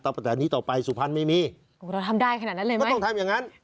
แต่อันนี้ต่อไปสุพรรณไม่มีเราทำได้ขนาดนั้นเลยไหม